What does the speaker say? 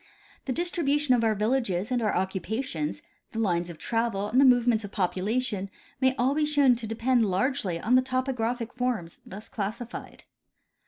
The distribution of our villages and our occupations, the lines of travel, and the move ments of population may all be shoAvn to depend largely on the topographic forms thus classified.